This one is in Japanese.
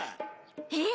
えっ？